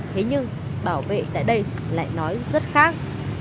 thế nhưng bảo vệ tại đây lại nói rất khác